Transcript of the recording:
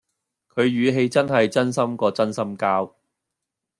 佢語氣真係真心過真心膠